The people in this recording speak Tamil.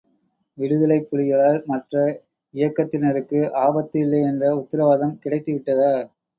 விடுதலைப்புலிகளால் மற்ற இயக்கத்தினருக்கு ஆபத்து இல்லை என்ற உத்தரவாதம் கிடைத்து விட்டதா?